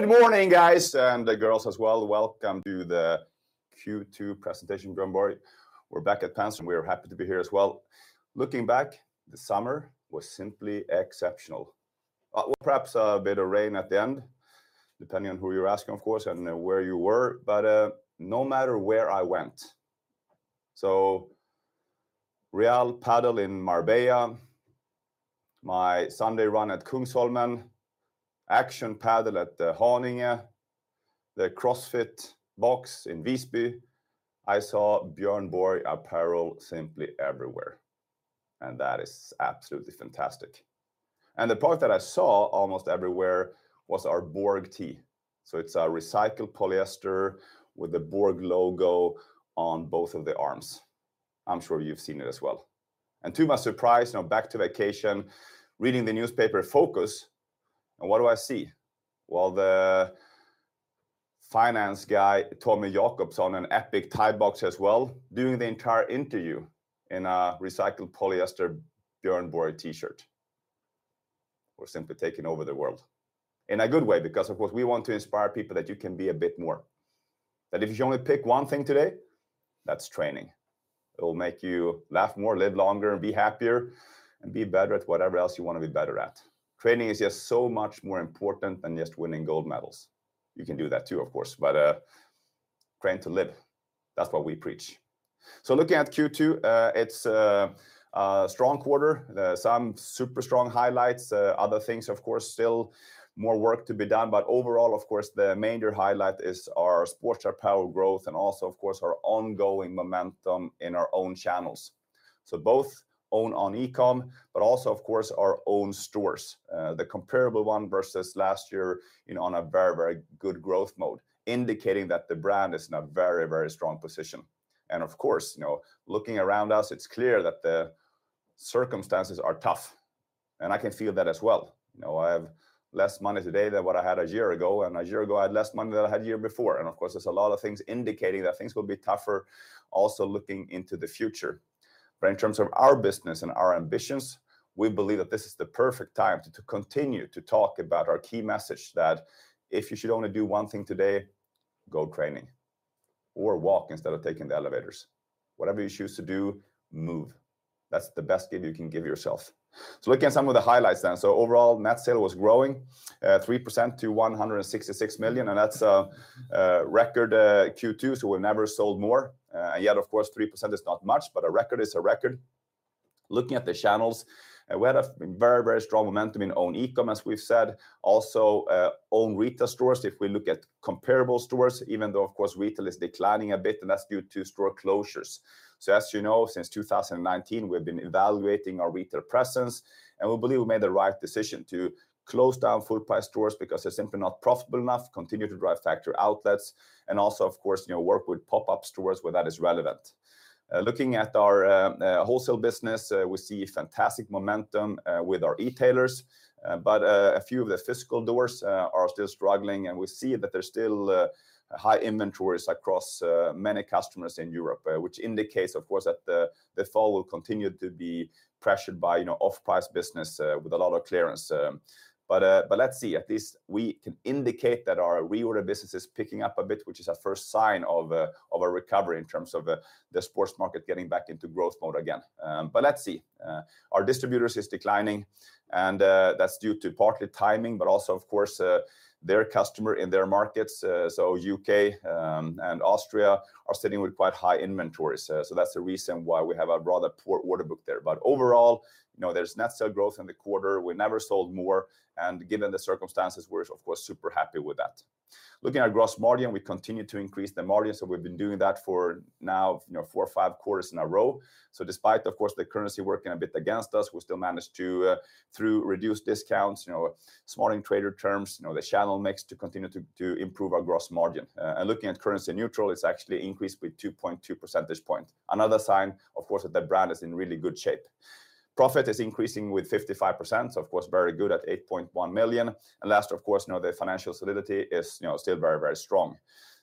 Good morning, guys and girls as well. Welcome to the Q2 presentation, Björn Borg. We're back at Penser, and we are happy to be here as well. Looking back, the summer was simply exceptional. Well, perhaps a bit of rain at the end, depending on who you're asking, of course, and where you were. But, no matter where I went, so Real Padel in Marbella, my Sunday run at Kungsholmen, Action Padel at the Haninge, the CrossFit box in Visby, I saw Björn Borg apparel simply everywhere, and that is absolutely fantastic. And the part that I saw almost everywhere was our Borg Tee. So it's a recycled polyester with a Borg logo on both of the arms. I'm sure you've seen it as well. And to my surprise, now back to vacation, reading the newspaper Fokus, and what do I see? Well, the finance guy, Tommy Jacobson, on an Epic Tide Box as well, doing the entire interview in a recycled polyester Björn Borg T-shirt. We're simply taking over the world, in a good way, because, of course, we want to inspire people that you can be a bit more. That if you only pick one thing today, that's training. It will make you laugh more, live longer, and be happier, and be better at whatever else you want to be better at. Training is just so much more important than just winning gold medals. You can do that, too, of course, but train to live. That's what we preach. So looking at Q2, it's a strong quarter. There are some super strong highlights, other things, of course, still more work to be done, but overall, of course, the major highlight is our sports apparel growth, and also, of course, our ongoing momentum in our own channels. So both own on e-com, but also, of course, our own stores. The comparable one versus last year, you know, on a very, very good growth mode, indicating that the brand is in a very, very strong position. And of course, you know, looking around us, it's clear that the circumstances are tough, and I can feel that as well. You know, I have less money today than what I had a year ago, and a year ago, I had less money than I had the year before. And of course, there's a lot of things indicating that things will be tougher, also looking into the future. But in terms of our business and our ambitions, we believe that this is the perfect time to continue to talk about our key message that if you should only do one thing today, go training or walk instead of taking the elevators. Whatever you choose to do, move. That's the best gift you can give yourself. So looking at some of the highlights then. So overall, net sale was growing 3% to 166 million, and that's a, a record Q2, so we've never sold more. And yet, of course, 3% is not much, but a record is a record. Looking at the channels, we had a very, very strong momentum in own e-com, as we've said, also own retail stores. If we look at comparable stores, even though, of course, retail is declining a bit, and that's due to store closures. As you know, since 2019, we've been evaluating our retail presence, and we believe we made the right decision to close down full-price stores because they're simply not profitable enough, continue to drive factory outlets, and also, of course, you know, work with pop-up stores where that is relevant. Looking at our wholesale business, we see fantastic momentum with our e-tailers, but a few of the physical doors are still struggling, and we see that there's still high inventories across many customers in Europe, which indicates, of course, that the fall will continue to be pressured by, you know, off-price business with a lot of clearance. But let's see. At least we can indicate that our reorder business is picking up a bit, which is a first sign of a recovery in terms of the sports market getting back into growth mode again. But let's see. Our distributors is declining, and that's due to partly timing, but also, of course, their customer in their markets. So U.K. and Austria are sitting with quite high inventories. So that's the reason why we have a rather poor order book there. But overall, you know, there's net sale growth in the quarter. We never sold more, and given the circumstances, we're, of course, super happy with that. Looking at gross margin, we continue to increase the margin, so we've been doing that for now, you know, four or five quarters in a row. So despite, of course, the currency working a bit against us, we still managed to through reduced discounts, you know, smart trade terms, you know, the channel mix to continue to improve our gross margin. And looking at currency neutral, it's actually increased with 2.2 percentage point. Another sign, of course, that the brand is in really good shape. Profit is increasing with 55%, so of course, very good at 8.1 million. And last, of course, you know, the financial solidity is, you know, still very, very strong.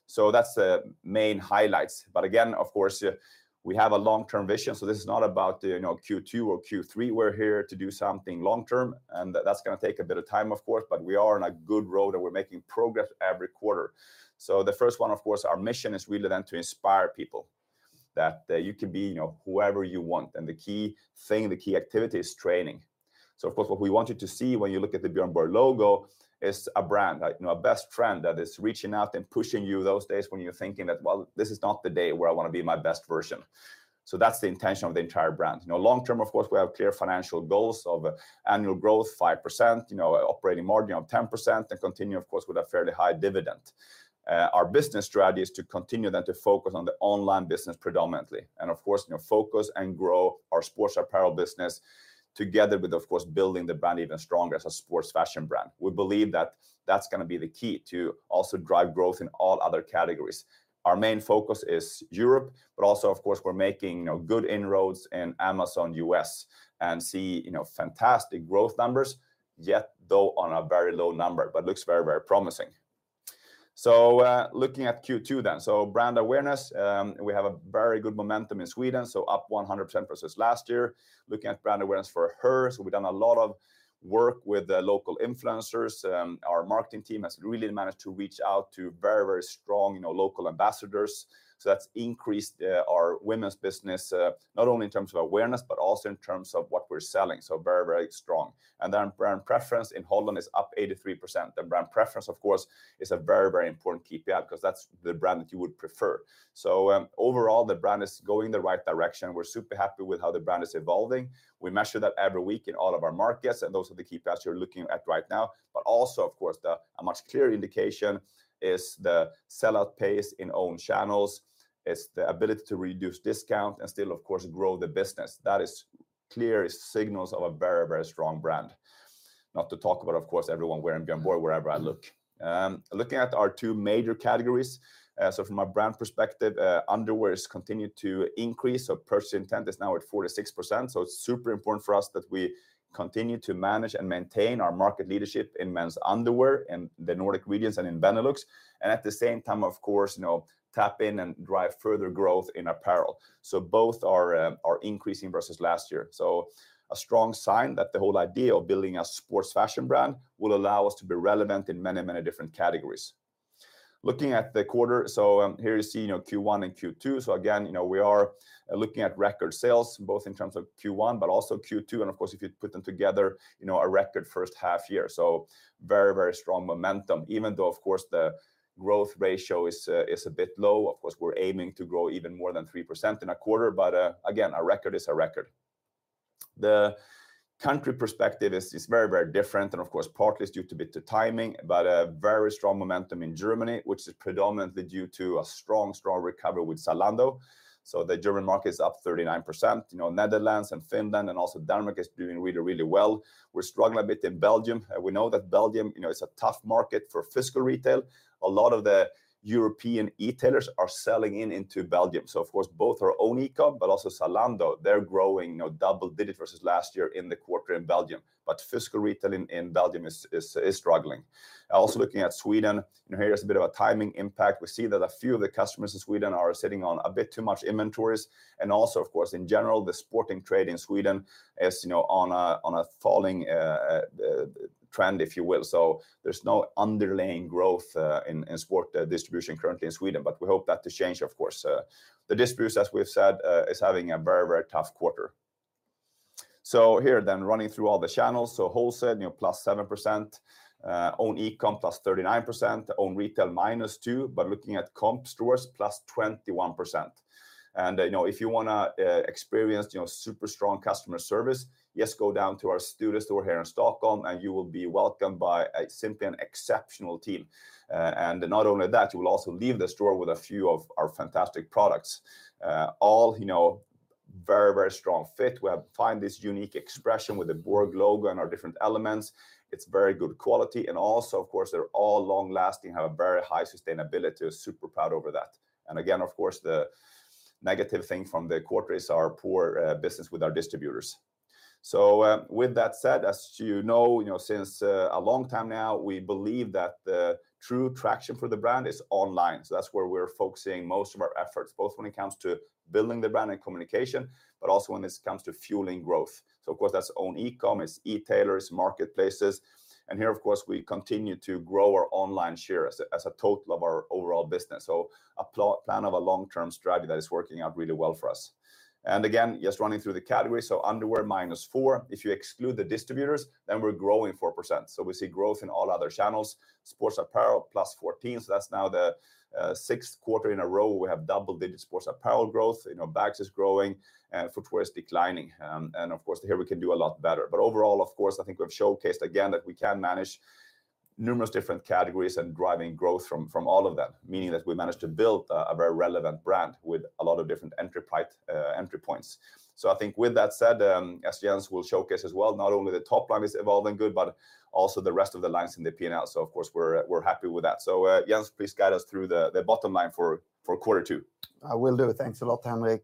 So that's the main highlights. But again, of course, we have a long-term vision, so this is not about the, you know, Q2 or Q3. We're here to do something long-term, and that's gonna take a bit of time, of course, but we are on a good road, and we're making progress every quarter. So the first one, of course, our mission is really then to inspire people, that you can be, you know, whoever you want, and the key thing, the key activity is training. So of course, what we want you to see when you look at the Björn Borg logo is a brand, a, you know, a best friend that is reaching out and pushing you those days when you're thinking that, well, this is not the day where I want to be my best version. So that's the intention of the entire brand. You know, long term, of course, we have clear financial goals of annual growth, 5%, you know, operating margin of 10%, and continue, of course, with a fairly high dividend. Our business strategy is to continue then to focus on the online business predominantly, and of course, you know, focus and grow our sports apparel business together with, of course, building the brand even stronger as a sports fashion brand. We believe that that's gonna be the key to also drive growth in all other categories. Our main focus is Europe, but also, of course, we're making, you know, good inroads in Amazon U.S. and see, you know, fantastic growth numbers, yet, though, on a very low number, but looks very, very promising. So, looking at Q2 then, so brand awareness, we have a very good momentum in Sweden, so up 100% versus last year. Looking at brand awareness for Her, so we've done a lot of work with the local influencers. Our marketing team has really managed to reach out to very, very strong, you know, local ambassadors, so that's increased our women's business, not only in terms of awareness, but also in terms of what we're selling. So very, very strong. And then brand preference in Holland is up 83%. The brand preference, of course, is a very, very important KPI, because that's the brand that you would prefer. So, overall, the brand is going in the right direction. We're super happy with how the brand is evolving. We measure that every week in all of our markets, and those are the KPIs you're looking at right now. But also, of course, a much clearer indication is the sellout pace in own channels, is the ability to reduce discount and still, of course, grow the business. That is clear signals of a very, very strong brand. Not to talk about, of course, everyone wearing Björn Borg wherever I look. Looking at our two major categories, so from a brand perspective, underwear has continued to increase, so purchase intent is now at 46%. So it's super important for us that we continue to manage and maintain our market leadership in men's underwear in the Nordic regions and in Benelux, and at the same time, of course, you know, tap in and drive further growth in apparel. So both are, are increasing versus last year. So a strong sign that the whole idea of building a sports fashion brand will allow us to be relevant in many, many different categories. Looking at the quarter, so, here you see, you know, Q1 and Q2. So again, you know, we are looking at record sales, both in terms of Q1 but also Q2. And of course, if you put them together, you know, a record first half year, so very, very strong momentum, even though, of course, the growth ratio is, is a bit low. Of course, we're aiming to grow even more than 3% in a quarter, but, again, a record is a record. The country perspective is, is very, very different, and of course, partly it's due to a bit of timing, but a very strong momentum in Germany, which is predominantly due to a strong, strong recovery with Zalando. So the German market is up 39%. You know, Netherlands and Finland and also Denmark is doing really, really well. We're struggling a bit in Belgium. We know that Belgium, you know, is a tough market for physical retail. A lot of the European e-tailers are selling in into Belgium. So of course, both our own e-com, but also Zalando, they're growing, you know, double digit versus last year in the quarter in Belgium. But physical retail in Belgium is struggling. Also, looking at Sweden, you know, here is a bit of a timing impact. We see that a few of the customers in Sweden are sitting on a bit too much inventories. And also, of course, in general, the sporting trade in Sweden is, you know, on a falling trend, if you will. So there's no underlying growth, in sport distribution currently in Sweden, but we hope that to change, of course. The distributors, as we've said, is having a very, very tough quarter. So here then, running through all the channels. So wholesale, you know, +7%, own e-com, +39%, own retail, -2%, but looking at comp stores, +21%. And, you know, if you wanna, experience, you know, super strong customer service, just go down to our Söder store here in Stockholm, and you will be welcomed by a simply an exceptional team. And not only that, you will also leave the store with a few of our fantastic products. All, you know, very, very strong fit. We have find this unique expression with the Borg logo and our different elements. It's very good quality, and also, of course, they're all long-lasting, have a very high sustainability. We're super proud over that. And again, of course, the negative thing from the quarter is our poor business with our distributors. So, with that said, as you know, you know, since a long time now, we believe that the true traction for the brand is online. So that's where we're focusing most of our efforts, both when it comes to building the brand and communication, but also when it comes to fueling growth. So of course, that's own e-com, it's e-tailers, marketplaces. And here, of course, we continue to grow our online share as a total of our overall business. So a plan of a long-term strategy that is working out really well for us. And again, just running through the categories, so underwear, -4%. If you exclude the distributors, then we're growing 4%, so we see growth in all other channels. Sports apparel, +14%, so that's now the sixth quarter in a row we have double-digit sports apparel growth. You know, bags is growing, and footwear is declining. And of course, here we can do a lot better. But overall, of course, I think we've showcased again that we can manage numerous different categories and driving growth from all of them, meaning that we managed to build a very relevant brand with a lot of different entry points. So I think with that said, as Jens will showcase as well, not only the top line is evolving good, but also the rest of the lines in the P&L. So of course, we're happy with that. So, Jens, please guide us through the bottom line for quarter two. I will do. Thanks a lot, Henrik.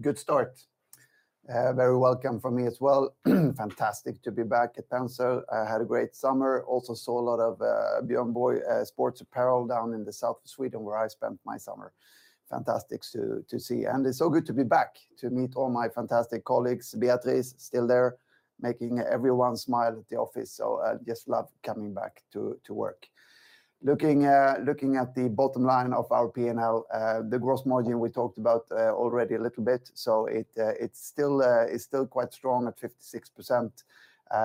Good start. Very welcome from me as well. Fantastic to be back at Björn Borg. I had a great summer. Also saw a lot of Björn Borg sports apparel down in the south of Sweden, where I spent my summer. Fantastic to see, and it's so good to be back to meet all my fantastic colleagues. Beatrice, still there, making everyone smile at the office, so I just love coming back to work. Looking at the bottom line of our P&L, the gross margin, we talked about already a little bit. So it's still quite strong at 56%.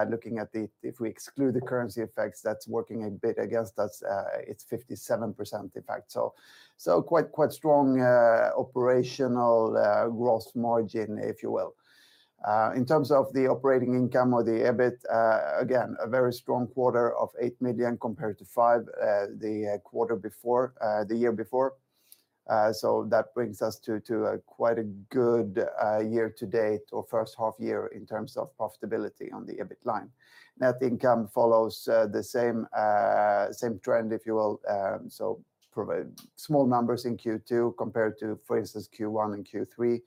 Looking at the... If we exclude the currency effects, that's working a bit against us, it's 57%, in fact. So, so quite, quite strong operational gross margin, if you will. In terms of the operating income or the EBIT, again, a very strong quarter of 8 million compared to 5 million, the quarter before, the year before. So that brings us to, to a quite a good year to date or first half year in terms of profitability on the EBIT line. Net income follows the same, same trend, if you will. So provide small numbers in Q2 compared to, for instance, Q1 and Q3.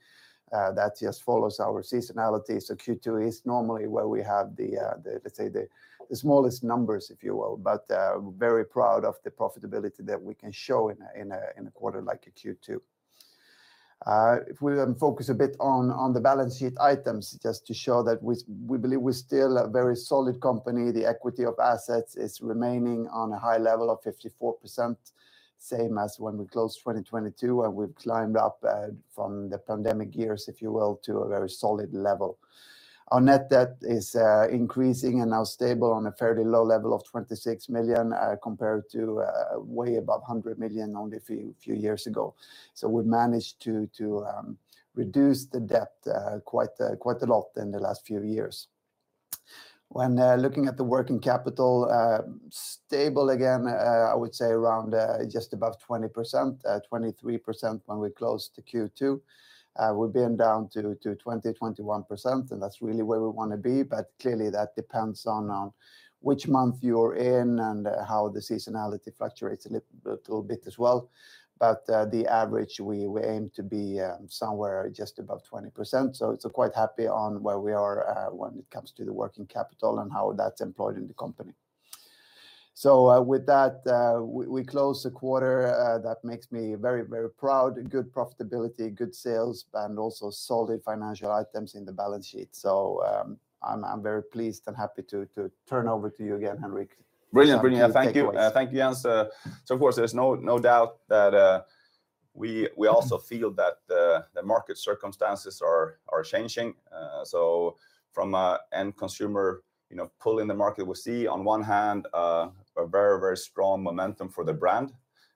That just follows our seasonality. So Q2 is normally where we have the, the, let's say, the, the smallest numbers, if you will, but very proud of the profitability that we can show in a, in a, in a quarter like a Q2. If we focus a bit on the balance sheet items, just to show that we believe we're still a very solid company. The equity of assets is remaining on a high level of 54%, same as when we closed 2022, and we've climbed up from the pandemic years, if you will, to a very solid level. Our net debt is increasing and now stable on a fairly low level of 26 million, compared to way above 100 million only a few years ago. So we've managed to reduce the debt quite a lot in the last few years. When looking at the working capital, stable again, I would say around just above 20%, 23% when we closed the Q2. We've been down to 20%-21%, and that's really where we wanna be, but clearly that depends on which month you're in and how the seasonality fluctuates a little bit as well. But the average, we aim to be somewhere just above 20%. So quite happy on where we are when it comes to the working capital and how that's employed in the company. So with that, we close the quarter. That makes me very, very proud. Good profitability, good sales, and also solid financial items in the balance sheet. So I'm very pleased and happy to turn over to you again, Henrik. Brilliant, brilliant. Some takeaways. Thank you. Thank you, Jens. So of course, there's no doubt that we also feel that the market circumstances are changing. So from an end consumer, you know, pull in the market, we see on one hand a very, very strong momentum for the brand.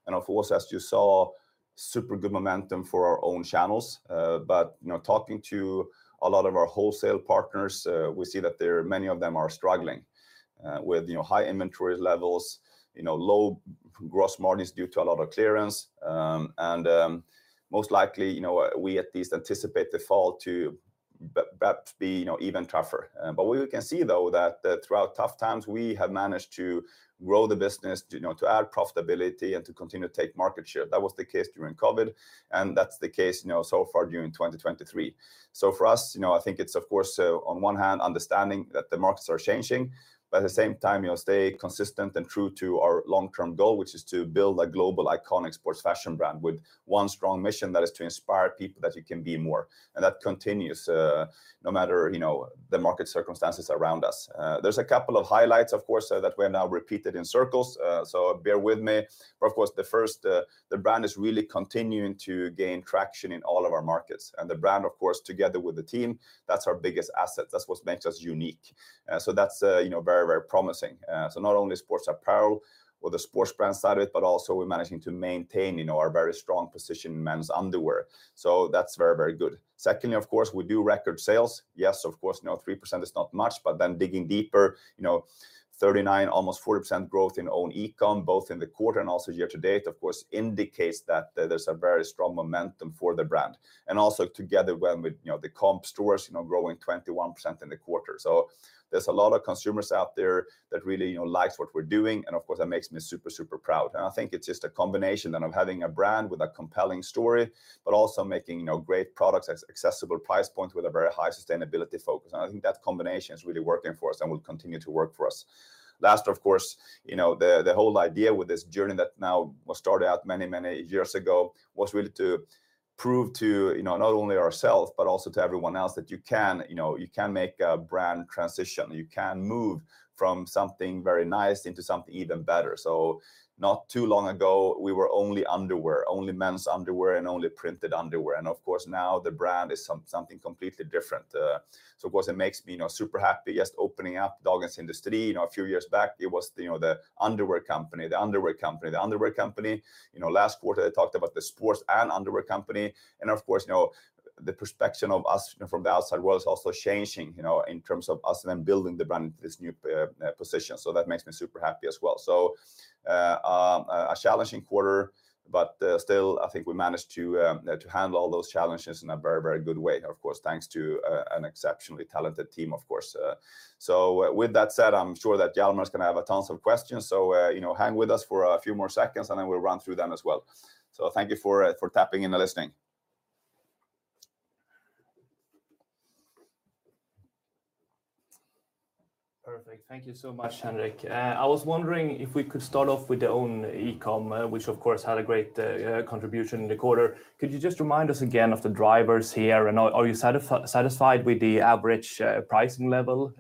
And of course, as you saw, super good momentum for our own channels. But, you know, talking to a lot of our wholesale partners, we see that they're... Many of them are struggling with, you know, high inventory levels, you know, low gross margins due to a lot of clearance. And most likely, you know, we at least anticipate the fall to be, you know, even tougher. But we can see, though, that, throughout tough times, we have managed to grow the business, you know, to add profitability, and to continue to take market share. That was the case during COVID, and that's the case, you know, so far during 2023. So for us, you know, I think it's, of course, on one hand, understanding that the markets are changing, but at the same time, you know, stay consistent and true to our long-term goal, which is to build a global, iconic sports fashion brand with one strong mission: that is to inspire people that you can be more. And that continues, no matter, you know, the market circumstances around us. There's a couple of highlights, of course, that we have now repeated in circles, so bear with me. But of course, the first, the brand is really continuing to gain traction in all of our markets, and the brand, of course, together with the team, that's our biggest asset. That's what makes us unique. So that's, you know, very, very promising. So not only sports apparel or the sports brand side of it, but also we're managing to maintain, you know, our very strong position in men's underwear, so that's very, very good. Secondly, of course, we do record sales. Yes, of course, you know, 3% is not much, but then digging deeper, you know, 39% almost 40% growth in own e-com, both in the quarter and also year to date, of course, indicates that there, there's a very strong momentum for the brand. And also together well with, you know, the comp stores, you know, growing 21% in the quarter. So there's a lot of consumers out there that really, you know, likes what we're doing, and of course, that makes me super, super proud. And I think it's just a combination and of having a brand with a compelling story, but also making, you know, great products at accessible price points with a very high sustainability focus. And I think that combination is really working for us and will continue to work for us. Last, of course, you know, the, the whole idea with this journey that now was started out many, many years ago, was really to prove to, you know, not only ourselves, but also to everyone else, that you can, you know, you can make a brand transition. You can move from something very nice into something even better. So not too long ago, we were only underwear, only men's underwear, and only printed underwear, and of course, now the brand is something completely different. So of course, it makes me, you know, super happy just opening up Dagens Industri. You know, a few years back it was, you know, the underwear company, the underwear company, the underwear company. You know, last quarter, I talked about the sports and underwear company, and of course, you know, the perception of us, you know, from the outside world is also changing, you know, in terms of us then building the brand into this new position. So that makes me super happy as well. So, a challenging quarter, but still, I think we managed to handle all those challenges in a very, very good way, and of course, thanks to an exceptionally talented team, of course. So with that said, I'm sure that Hjalmar is gonna have tons of questions, so you know, hang with us for a few more seconds, and then we'll run through them as well. So thank you for tapping in and listening. Perfect. Thank you so much, Henrik. I was wondering if we could start off with the own e-com, which of course had a great contribution in the quarter. Could you just remind us again of the drivers here, and are you satisfied with the average pricing level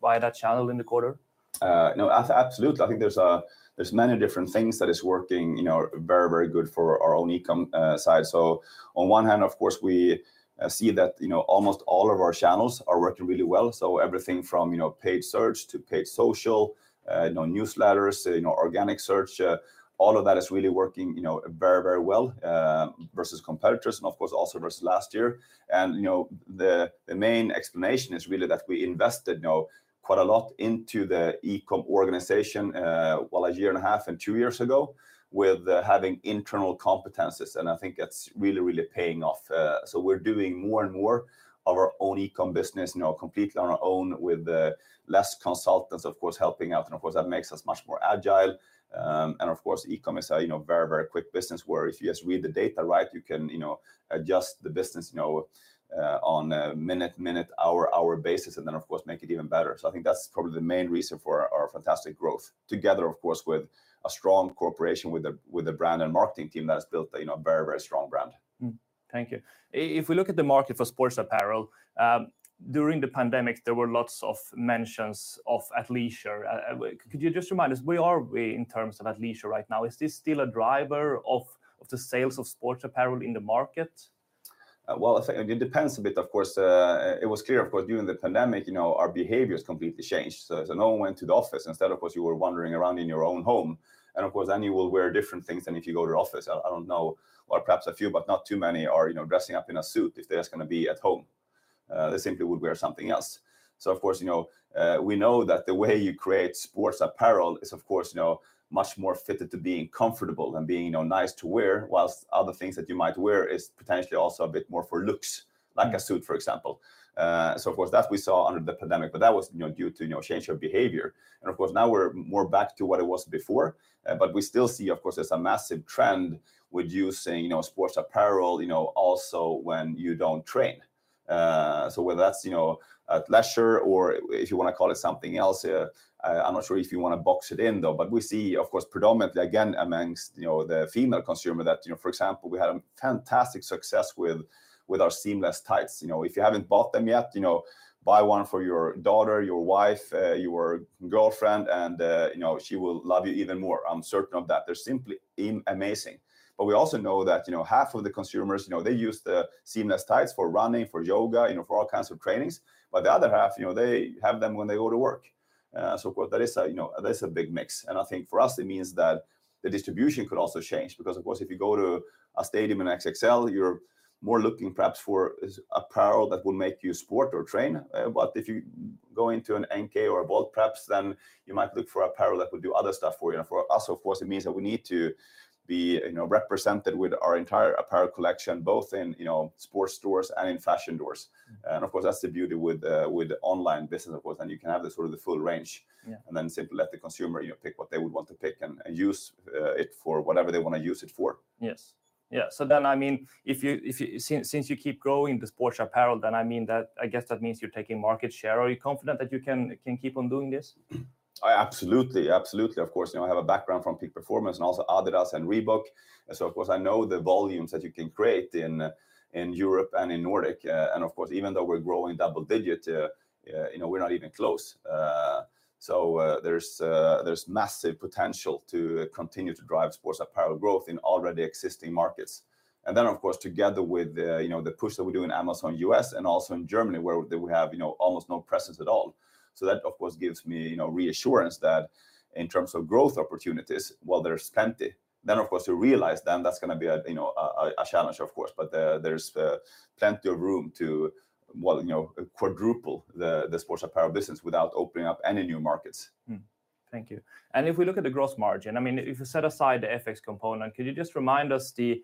by that channel in the quarter? No, absolutely. I think there's many different things that is working, you know, very, very good for our own e-com side. So on one hand, of course, we see that, you know, almost all of our channels are working really well, so everything from, you know, paid search to paid social, you know, newsletters, you know, organic search, all of that is really working, you know, very, very well, versus competitors and of course, also versus last year. You know, the main explanation is really that we invested, you know, quite a lot into the e-com organization, well, a year and a half and two years ago, with having internal competencies, and I think it's really, really paying off. So we're doing more and more of our own e-com business, you know, completely on our own with less consultants, of course, helping out, and of course, that makes us much more agile. And of course, e-com is a, you know, very, very quick business, where if you just read the data right, you can, you know, adjust the business, you know, on a minute, minute, hour, hour basis, and then, of course, make it even better. So I think that's probably the main reason for our fantastic growth, together, of course, with a strong cooperation with the, with the brand and marketing team that has built a, you know, very, very strong brand. Thank you. If we look at the market for sports apparel, during the pandemic, there were lots of mentions of athleisure. Could you just remind us, where are we in terms of athleisure right now? Is this still a driver of, of the sales of sports apparel in the market? Well, it depends a bit, of course. It was clear, of course, during the pandemic, you know, our behaviors completely changed. So as no one went to the office, instead, of course, you were wandering around in your own home, and of course, then you will wear different things than if you go to office. I don't know, or perhaps a few, but not too many are, you know, dressing up in a suit if they're just gonna be at home. They simply would wear something else. So, of course, you know, we know that the way you create sports apparel is, of course, you know, much more fitted to being comfortable and being, you know, nice to wear, whilst other things that you might wear is potentially also a bit more for looks, like a suit, for example. So of course, that we saw under the pandemic, but that was, you know, due to, you know, change of behavior. And of course, now we're more back to what it was before, but we still see, of course, there's a massive trend with using, you know, sports apparel, you know, also when you don't train. So whether that's, you know, at leisure or if you wanna call it something else, I'm not sure if you wanna box it in, though. But we see, of course, predominantly, again, amongst, you know, the female consumer, that. You know, for example, we had a fantastic success with our seamless tights. You know, if you haven't bought them yet, you know, buy one for your daughter, your wife, your girlfriend, and, you know, she will love you even more. I'm certain of that. They're simply amazing. But we also know that, you know, half of the consumers, you know, they use the seamless tights for running, for yoga, you know, for all kinds of trainings. But the other half, you know, they have them when they go to work. So of course, that is a, you know, that is a big mix. And I think, for us, it means that the distribution could also change. Because, of course, if you go to a Stadium in XXL, you're more looking perhaps for apparel that will make you sport or train. But if you go into an NK or a Volt, perhaps then you might look for apparel that will do other stuff for you. For us, of course, it means that we need to be, you know, represented with our entire apparel collection, both in, you know, sports stores and in fashion stores. Mm-hmm. Of course, that's the beauty with the online business, of course, then you can have sort of the full range. Yeah. And then simply let the consumer, you know, pick what they would want to pick and use it for whatever they wanna use it for. Yes. Yeah, so then, I mean, if you... Since you keep growing the sports apparel, then, I mean, that, I guess that means you're taking market share. Are you confident that you can keep on doing this? I absolutely, absolutely. Of course, you know, I have a background from Peak Performance and also Adidas and Reebok, and so of course, I know the volumes that you can create in Europe and in Nordic. And of course, even though we're growing double-digit, you know, we're not even close. So, there's massive potential to continue to drive sports apparel growth in already existing markets. And then, of course, together with the, you know, the push that we do in Amazon U.S., and also in Germany, where we have, you know, almost no presence at all. So that, of course, gives me, you know, reassurance that in terms of growth opportunities, while there's plenty, then, of course, to realize them, that's gonna be a challenge, of course. But, there's plenty of room to, well, you know, quadruple the sports apparel business without opening up any new markets. Mm-hmm. Thank you. And if we look at the gross margin, I mean, if you set aside the FX component, could you just remind us the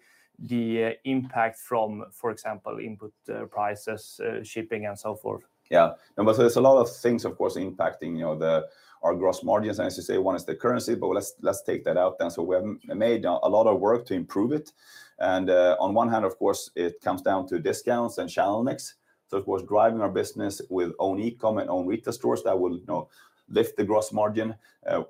impact from, for example, input prices, shipping, and so forth? Yeah. No, but there's a lot of things, of course, impacting, you know, the, our gross margins, and as you say, one is the currency, but let's take that out then. So we have made a lot of work to improve it, and on one hand, of course, it comes down to discounts and channel mix. So of course, driving our business with own e-com and own retail stores, that will, you know, lift the gross margin.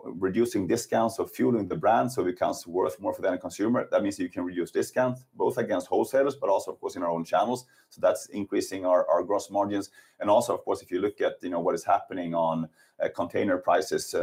Reducing discounts or fueling the brand, so it becomes worth more for the end consumer. That means you can reduce discounts, both against wholesalers, but also, of course, in our own channels. So that's increasing our gross margins. Also, of course, if you look at, you know, what is happening on container prices,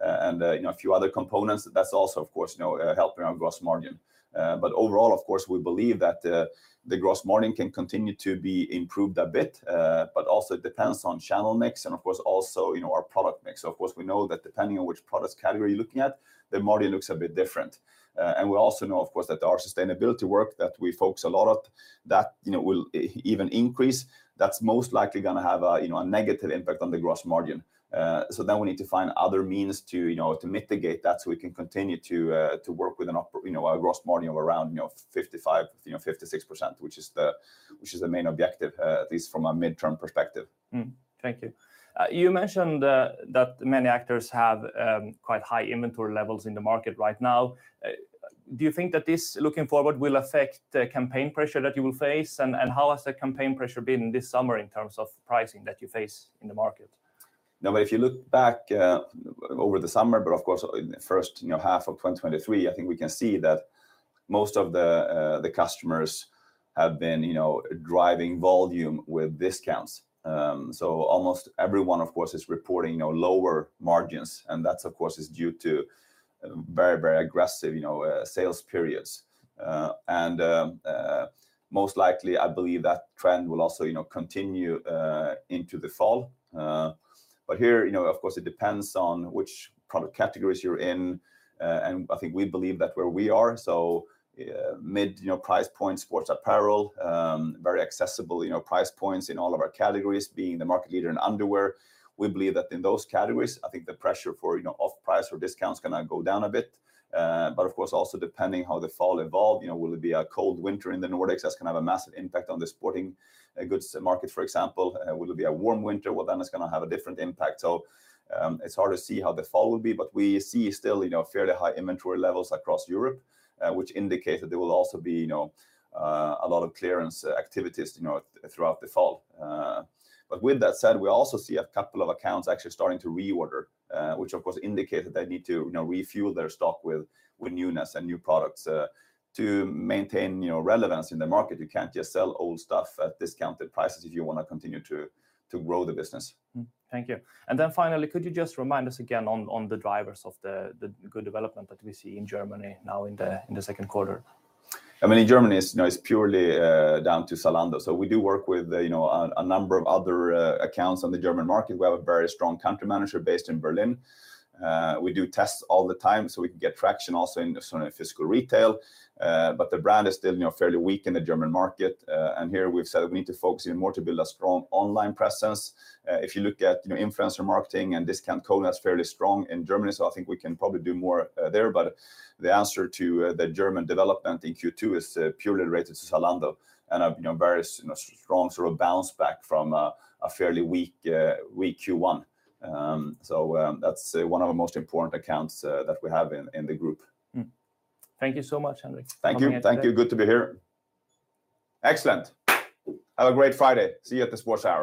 and, you know, a few other components, that's also, of course, you know, helping our gross margin. But overall, of course, we believe that the gross margin can continue to be improved a bit, but also it depends on channel mix and, of course, also, you know, our product mix. So of course, we know that depending on which product category you're looking at, the margin looks a bit different. And we also know, of course, that our sustainability work that we focus a lot of, you know, will even increase. That's most likely gonna have a, you know, a negative impact on the gross margin. So then we need to find other means to, you know, to mitigate that, so we can continue to work with a gross margin of around, you know, 55%, you know, 56%, which is the, which is the main objective, at least from a midterm perspective. Mm-hmm. Thank you. You mentioned that many actors have quite high inventory levels in the market right now. Do you think that this, looking forward, will affect the campaign pressure that you will face? And how has the campaign pressure been this summer in terms of pricing that you face in the market? Now, if you look back over the summer, but of course, in the first, you know, half of 2023, I think we can see that most of the customers have been, you know, driving volume with discounts. So almost everyone, of course, is reporting, you know, lower margins, and that, of course, is due to very, very aggressive, you know, sales periods. And, most likely, I believe that trend will also, you know, continue into the fall. But here, you know, of course, it depends on which product categories you're in. And I think we believe that where we are, so, mid, you know, price point, sports apparel, very accessible, you know, price points in all of our categories, being the market leader in underwear, we believe that in those categories, I think the pressure for, you know, off price or discounts are gonna go down a bit. But of course, also depending how the fall evolve, you know, will it be a cold winter in the Nordics? That's gonna have a massive impact on the sporting, goods market, for example. Will it be a warm winter? Well, then it's gonna have a different impact. So, it's hard to see how the fall will be, but we see still, you know, fairly high inventory levels across Europe, which indicates that there will also be, you know, a lot of clearance activities, you know, throughout the fall. But with that said, we also see a couple of accounts actually starting to reorder, which of course indicates that they need to, you know, refuel their stock with, with newness and new products. To maintain, you know, relevance in the market, you can't just sell old stuff at discounted prices if you wanna continue to, to grow the business. Mm-hmm. Thank you. And then finally, could you just remind us again on the drivers of the good development that we see in Germany now in the second quarter? I mean, in Germany, it's, you know, it's purely down to Zalando. So we do work with, you know, a number of other accounts on the German market. We have a very strong country manager based in Berlin. We do tests all the time, so we can get traction also in sort of physical retail. But the brand is still, you know, fairly weak in the German market, and here we've said we need to focus even more to build a strong online presence. If you look at, you know, influencer marketing and discount code, that's fairly strong in Germany, so I think we can probably do more there. But the answer to the German development in Q2 is purely related to Zalando, and you know, very you know, strong sort of bounce back from a fairly weak Q1. So that's one of the most important accounts that we have in the group. Mm-hmm. Thank you so much, Henrik. Thank you. For coming in today. Thank you. Good to be here. Excellent! Have a great Friday. See you at the Sports Hour.